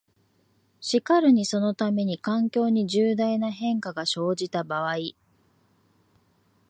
しかるにそのために、環境に重大な変化が生じた場合、